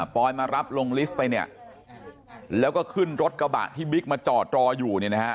อยมารับลงลิฟต์ไปเนี่ยแล้วก็ขึ้นรถกระบะที่บิ๊กมาจอดรออยู่เนี่ยนะฮะ